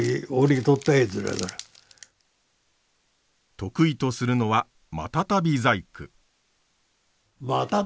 得意とするのはマタタビ細工。